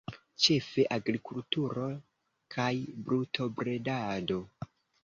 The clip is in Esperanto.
Ĉefe agrikulturo kaj brutobredado.